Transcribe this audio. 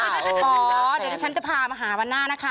เดี๋ยวที่ฉันจะพามาหาวันหน้านะคะ